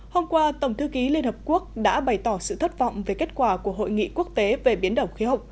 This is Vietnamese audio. hôm qua tổng thư ký liên hợp quốc đã bày tỏ sự thất vọng về kết quả của hội nghị quốc tế về biến đổi khí hậu